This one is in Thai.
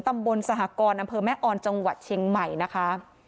ตำบลสหกรณ์อำเภอแม่ออนจังหวัดเชียงใหม่นะคะ